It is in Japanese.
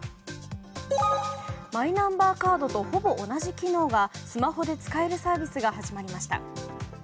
マイナンバーカードとほぼ同じ機能がスマホで使えるサービスが始まりました。